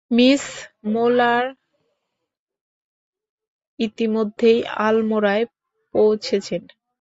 Miss Muller ইতোমধ্যেই আলমোড়ায় পৌঁছেছেন।